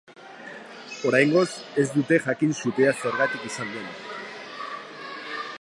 Oraingoz, ez dute jakin sutea zergatik izan den.